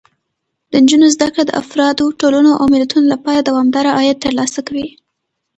د نجونو زده کړه د افرادو، ټولنو او ملتونو لپاره دوامداره عاید ترلاسه کوي.